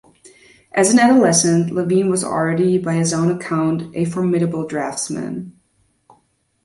As an adolescent, Levine was already, by his own account, "a formidable draftsman".